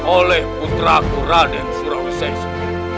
oleh putraku raden surawisesa